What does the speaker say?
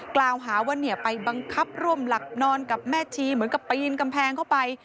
กล่าวหาว่าไปบังคับร่วมหลับนอนกับแม่ชีเหมือนกับปีนกำแพงเข้าไป